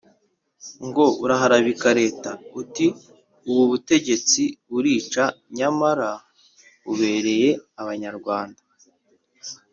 Ngo uraharabika Leta ?Uti «ubu butegetsi burica nyamara bubereye abanyarwanda»,